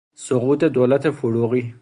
سقوط دولت فروغی